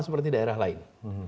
seperti daerah lain